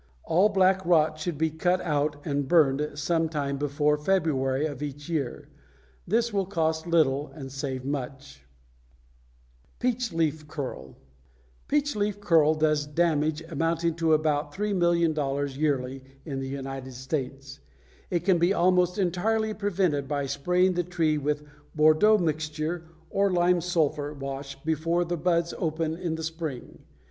All black knot should be cut out and burned some time before February of each year. This will cost little and save much. [Illustration: FIG. 132. BLACK KNOT] =Peach Leaf Curl.= Peach leaf curl does damage amounting to about $3,000,000 yearly in the United States. It can be almost entirely prevented by spraying the tree with Bordeaux mixture or lime sulphur wash before the buds open in the spring.